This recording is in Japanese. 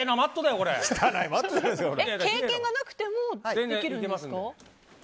経験がなくてもできるんですか。